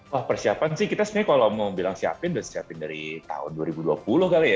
wah persiapan sih kita sebenarnya kalau mau bilang siapin udah siapin dari tahun dua ribu dua puluh kali ya